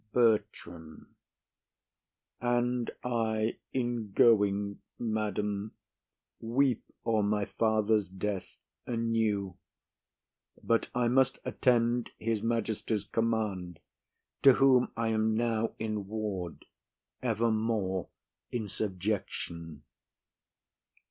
BERTRAM. And I in going, madam, weep o'er my father's death anew; but I must attend his majesty's command, to whom I am now in ward, evermore in subjection.